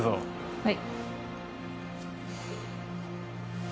はい